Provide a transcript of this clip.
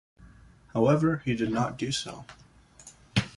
However, he did not do so.